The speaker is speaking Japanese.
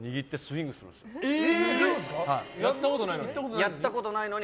やったことないのに。